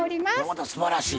またすばらしい。